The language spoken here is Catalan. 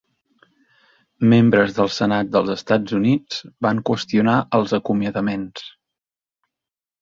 Membres del Senat dels Estats Units van qüestionar els acomiadaments.